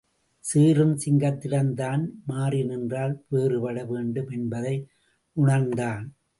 சீறும் சிங்கத்திடம் தான் மாறி நின்றால் வேறுபட வேண்டும் என்பதை உணர்ந்தான்.